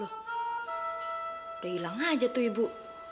udah hilang aja tuh ibu